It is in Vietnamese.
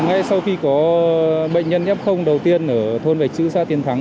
ngay sau khi có bệnh nhân f đầu tiên ở thôn bạch chữ sát tiến thắng